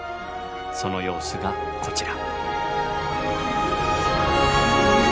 その様子がこちら。